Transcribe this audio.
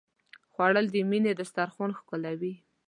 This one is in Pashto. خوړل د مینې دسترخوان ښکلوي